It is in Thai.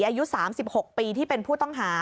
อายุ๓๖ปีที่เป็นผู้ต้องหา